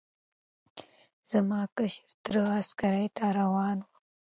زما کشر تره عسکرۍ ته روان و.